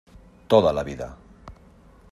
¡ toda la vida!...